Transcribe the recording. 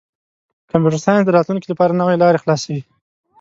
کمپیوټر ساینس د راتلونکي لپاره نوې لارې خلاصوي.